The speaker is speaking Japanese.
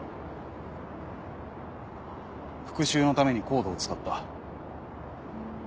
復讐のためにＣＯＤＥを使った。